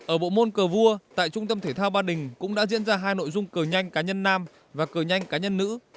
ở bộ môn cờ vua tại trung tâm thể thao ba đình cũng đã diễn ra hai nội dung cờ nhanh cá nhân nam và cờ nhanh cá nhân nữ